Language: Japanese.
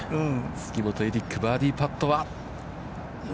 杉本エリック、バーディーパットは。